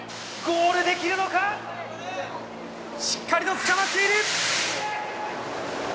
ゴールできるのか、しっかりとつかまっている。